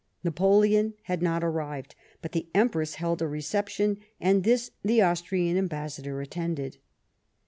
Napoleon had not arrived, but the Empress held a reception, and this the Austrian ambassador attended.